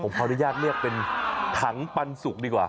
ผมพอได้ยากเรียกเป็นถังปันสุกดีกว่า